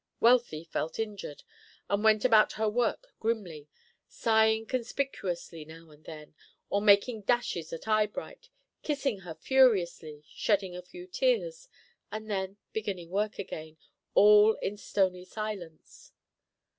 Wealthy felt injured, and went about her work grimly, sighing conspicuously now and then, or making dashes at Eyebright, kissing her furiously, shedding a few tears, and then beginning work again, all in stony silence.